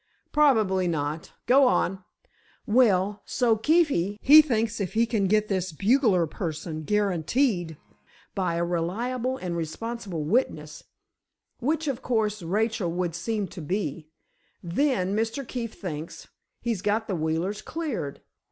"Probably not. Go on." "Well, so Keefie, he thinks if he can get this bugler person guaranteed, by a reliable and responsible witness—which, of course, Rachel would seem to be—then, Mr. Keefe thinks, he's got the Wheelers cleared.